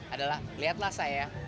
adalah lihatlah saya